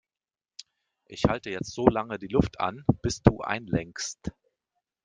Ich halte jetzt so lange die Luft an, bis du einlenkst.